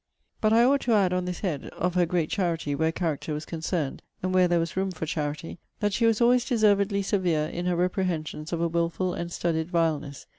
But I ought to add, on this head, [of her great charity where character was concerned, and where there was room for charity,] that she was always deservedly severe in her reprehensions of a wilful and studied vileness.